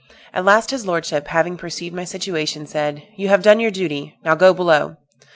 At last his lordship, having perceived my situation, said, 'You have done your duty, now go below.'